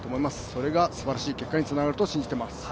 それがすばらしい結果につながると信じています。